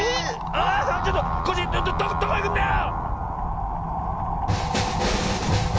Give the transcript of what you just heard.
あっちょっとコッシーどこいくんだよ